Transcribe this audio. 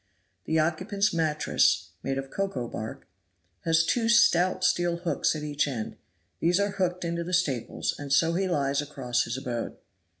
The occupant's mattress (made of cocoa bark) has two stout steel hooks at each end; these are hooked into the staples, and so he lies across his abode.